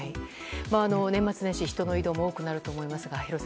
年末年始、人の移動も多くなると思いますが。